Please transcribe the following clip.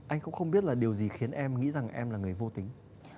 anh cũng không biết là điều gì khiến em nghĩ rằng em là người vô tính